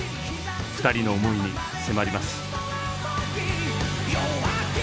２人の思いに迫ります。